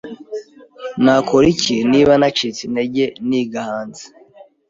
Nakora iki niba nacitse intege niga hanze?